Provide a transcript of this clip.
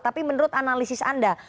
tapi menurut analisis anda